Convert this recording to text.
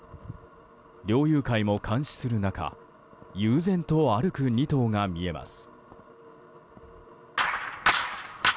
猟友会も監視する中悠然と歩く２頭が見えます。